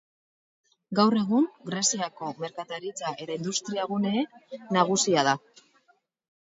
Gaur egun, Greziako merkataritza eta industriagune nagusia da.